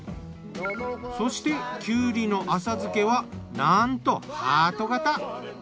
そしてきゅうりの浅漬けはなんとハート型。